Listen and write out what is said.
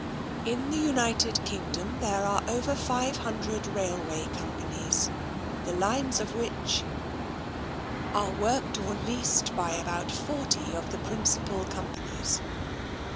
" In the United Kingdom there are over 500 rail way companies, the lines of which ... are worked or leased by about forty of the principal companies.